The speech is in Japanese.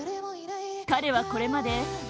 彼は、これまで